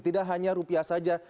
tidak hanya rupiah saja